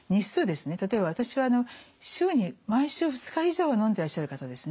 例えば私は週に毎週２日以上のんでいらっしゃる方ですね